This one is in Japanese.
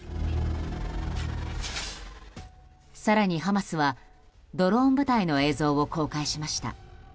更に、ハマスはドローン部隊の映像を公開しました。